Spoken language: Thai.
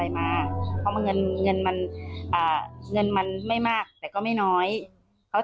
และผู้หญิงที่มาด้วยอีกคนหนึ่งคาดว่าน่าจะเป็นแฟนสาว